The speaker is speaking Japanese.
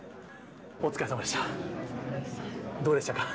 お疲れさまでした。